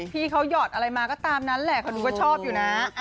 พี่เขาหยอดอะไรมาก็ตามนั้นแหละเขาดูก็ชอบอยู่นะ